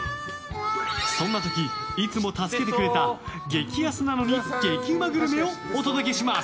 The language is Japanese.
そんな時、いつも助けてくれた激安なのに激うまグルメをお届けします！